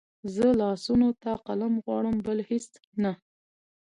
زه لاسونو ته قلم غواړم بل هېڅ نه